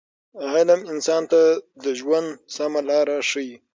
علم انسان ته د ژوند سمه لاره ښیي.